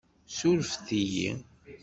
Ssurefet-iyi.